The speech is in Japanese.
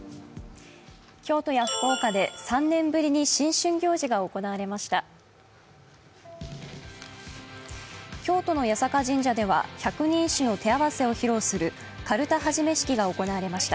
京都や福岡で３年ぶりに新春行事が行われました。